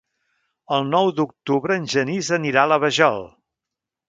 El nou d'octubre en Genís anirà a la Vajol.